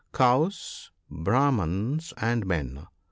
(150 Cows, Brahmans, and men.